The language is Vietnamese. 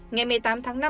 ngày một mươi tám tháng năm